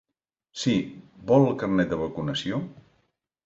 Sí, vol el carnet de vacunació?